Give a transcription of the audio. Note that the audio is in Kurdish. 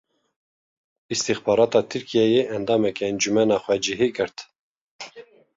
Îstixbarata Tirkiyeyê endamekî Encûmena Xwecihî girt.